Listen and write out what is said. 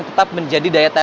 kita bisa melihat